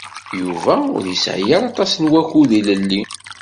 Yuba ur yesɛi aṭas n wakud ilelli.